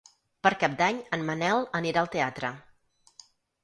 Per Cap d'Any en Manel anirà al teatre.